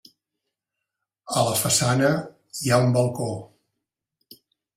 A la façana hi ha un balcó.